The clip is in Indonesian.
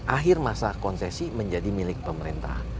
akhir masa konsesi menjadi milik pemerintah